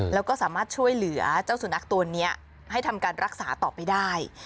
แล้วก็สามารถช่วยเหลือเจ้าสุนัขตัวนี้ให้ทำการรักษาต่อไปได้